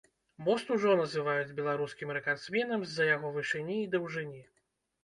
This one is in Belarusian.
Мост ужо называюць беларускім рэкардсменам з-за яго вышыні і даўжыні.